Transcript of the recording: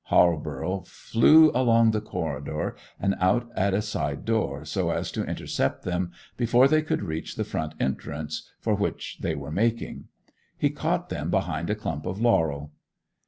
Halborough flew along the corridor and out at a side door, so as to intercept them before they could reach the front entrance, for which they were making. He caught them behind a clump of laurel.